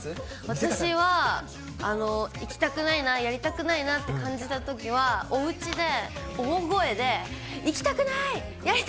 私は行きたくないな、やりたくないなって感じたときはおうちで大声で、行きたくない！